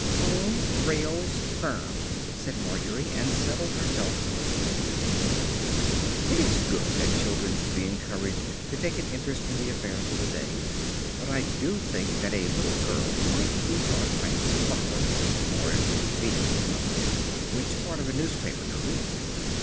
"'Home Rails Firm.'" said Margery, and settled herself to listen. It is good that children should be encouraged to take an interest in the affairs of the day, but I do think that a little girl might be taught by its father (or if more convenient, mother) which part of a newspaper to read.